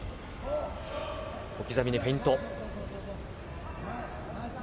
小刻みにフェイント。